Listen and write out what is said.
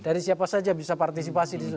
dari siapa saja bisa partisipasi di situ